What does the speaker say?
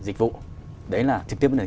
dịch vụ đấy là trực tiếp đến